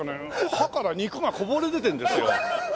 歯から肉がこぼれ出てるんですよ。